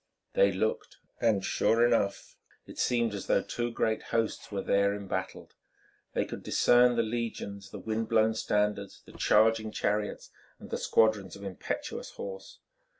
They looked, and, sure enough, it seemed as though two great hosts were there embattled. They could discern the legions, the wind blown standards, the charging chariots, and the squadrons of impetuous horse.